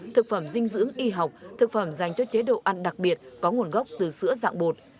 thực phẩm dinh dưỡng y học thực phẩm dành cho chế độ ăn đặc biệt có nguồn gốc từ sữa dạng bột